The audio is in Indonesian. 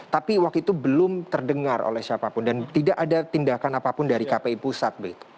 tapi waktu itu belum terdengar oleh siapapun dan tidak ada tindakan apapun dari kpi pusat begitu